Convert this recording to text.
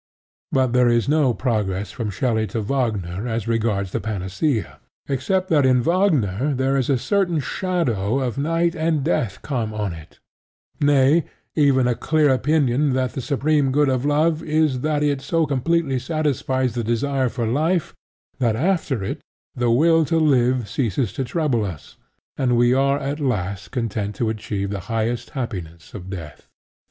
But there is no progress from Shelley to Wagner as regards the panacea, except that in Wagner there is a certain shadow of night and death come on it: nay, even a clear opinion that the supreme good of love is that it so completely satisfies the desire for life, that after it the Will to Live ceases to trouble us, and we are at last content to achieve the highest happiness of death.